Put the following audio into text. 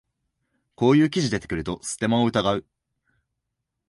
こういう記事出てくるとステマを疑う